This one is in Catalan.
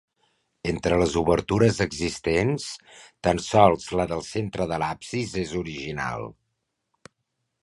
Entre les obertures existents, tan sols la del centre de l'absis és original.